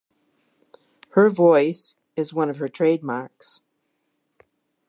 Her voice is one of her trademarks.